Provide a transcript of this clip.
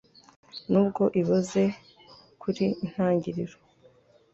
nubwo iboze kuri intangiriro